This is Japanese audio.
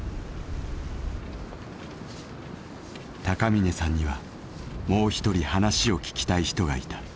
高峰さんにはもう一人話を聞きたい人がいた。